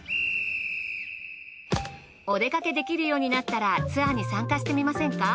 お出かけできるようになったらツアーに参加してみませんか？